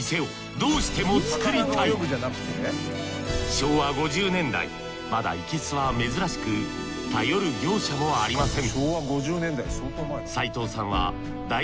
昭和５０年代まだ生簀は珍しく頼る業者もありません。